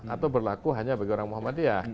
atau berlaku hanya bagi orang muhammadiyah